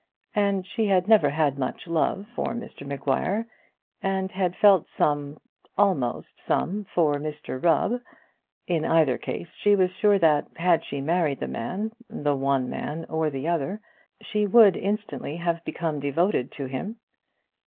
And she had never had much love for Mr Maguire, and had felt some almost some, for Mr Rubb. In either case she was sure that, had she married the man, the one man or the other, she would instantly have become devoted to him.